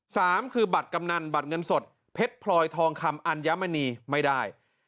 สามคือบัตรกำนันบัตรเงินสดเพชรพลอยทองคำอัญมณีไม่ได้